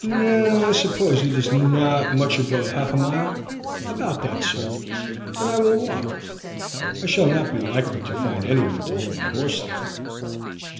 "No; I suppose it is not much above half a mile?" "About that, sir." "Then I will walk; I shall not be likely to find anyone to hold my horse there."